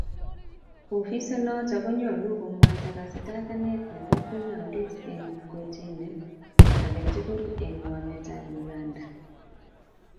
ofisinoto konyolu komwaita kastakane nebo bunyondit eng' kotinit age tugul eng' wmetab Uganda.